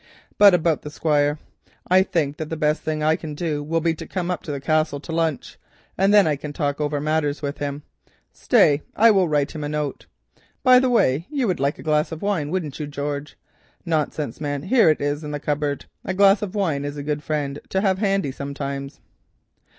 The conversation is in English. But about the Squire. I think that the best thing I can do will be to come up to the Castle to lunch, and then I can talk over matters with him. Stay, I will just write him a note. By the way, you would like a glass of wine, wouldn't you, George? Nonsense man, here it is in the cupboard, a glass of wine is a good friend to have handy sometimes."